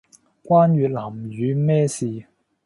關越南語咩事